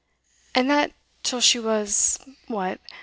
And that till she was what?